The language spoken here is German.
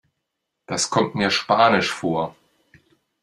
Das kommt mir spanisch vor.